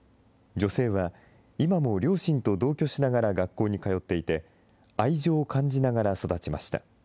女性は今も両親と同居しながら学校に通っていて、愛情を感じながら育ちました。